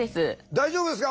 大丈夫ですか？